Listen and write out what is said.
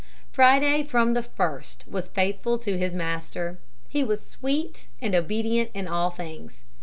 Friday from the first was faithful to his master. He was sweet and obedient in all things.